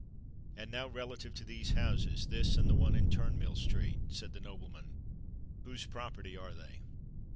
"And now relative to these houses—this, and the one in Turnmill Street?" said the nobleman. "Whose property are they?"